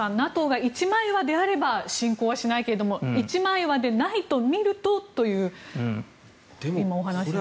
ＮＡＴＯが一枚岩であれば侵攻はしないけれども一枚岩でないと見るとという今のお話です。